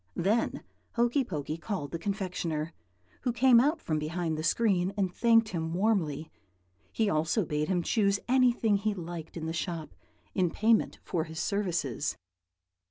Then Hokey Pokey called the confectioner, who came out from behind the screen and thanked him warmly; he also bade him choose anything he liked in the shop, in payment for his services.